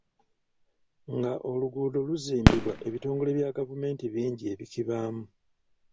Nga oluguudo luzimbibwa ebitongole bya gavumenti bingi ebikibaamu.